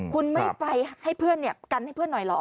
คุณไม่ไปให้เพื่อนกันให้เพื่อนหน่อยเหรอ